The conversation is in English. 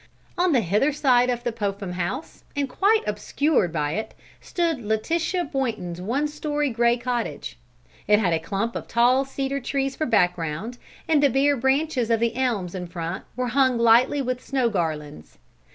On the hither side of the Popham house, and quite obscured by it, stood Letitia Boynton's one story gray cottage. It had a clump of tall cedar trees for background and the bare branches of the elms in front were hung lightly with snow garlands.